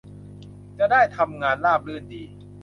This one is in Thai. จะได้ทำงานราบรื่นดี